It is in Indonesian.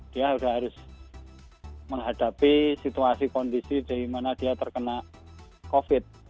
dia sudah harus menghadapi situasi kondisi di mana dia sudah berada di rumah saya dan saya tidak tahu apa yang akan terjadi pada waktu itu